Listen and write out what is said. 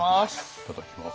いただきます。